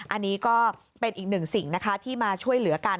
อันนี้ก็เป็นอีกหนึ่งสิ่งนะคะที่มาช่วยเหลือกัน